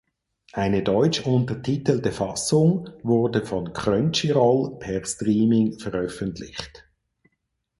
Eine deutsch untertitelte Fassung wurde von Crunchyroll per Streaming veröffentlicht.